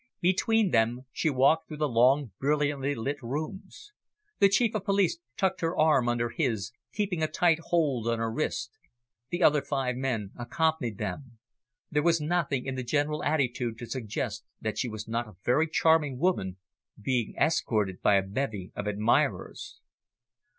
Between them, she walked through the long, brilliantly lit rooms. The Chief of Police tucked her arm under his, keeping a tight hold on her wrist. The other five men accompanied them. There was nothing in the general attitude to suggest that she was not a very charming woman being escorted by a bevy of admirers.